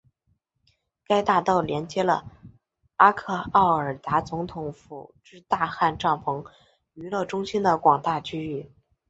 该大道连接了阿克奥尔达总统府至大汗帐篷娱乐中心的广大区域。